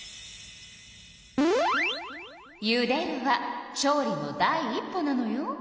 「ゆでる」は調理の第一歩なのよ。